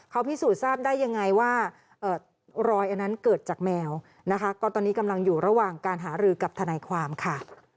เขาพิสูจน์ทราบได้ยังไงว่ารอยอันนั้นเกิดจากแมวนะคะก็ตอนนี้กำลังอยู่ระหว่างการหารือกับทนายความค่ะ